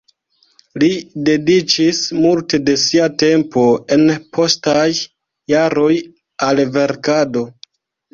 Li dediĉis multe de sia tempo en postaj jaroj al verkado.